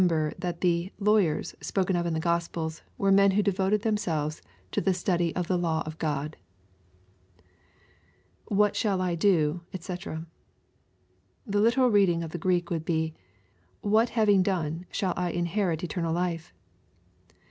ber thai the " Lawyers" spoken of in the Gospels were men wlio devoted themselves to the study of the law of Orod, IWJiai shall I do, &c.'\ The literal rendering of the Greek would be, " What having done, shall I inherit eternal life